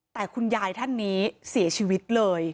แต่คุณยายท่านนี้เสียชีวิตเลย